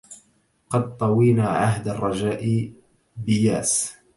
قد طوينا عهد الرجاء بياس